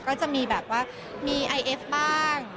ก็จะมีแบบว่ามีไอเอฟบ้าง